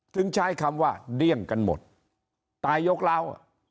ถึงใช้คำว่าเดี้ยงกันหมดตายยกล้าว